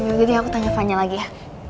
jadi aku tanya fanya lagi ya